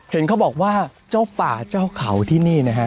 เห็นเขาบอกว่าเจ้าป่าเจ้าเขาที่นี่นะฮะ